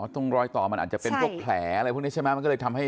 ตรงรอยต่อมันอาจจะเป็นพวกแผลอะไรพวกนี้ใช่ไหมมันก็เลยทำให้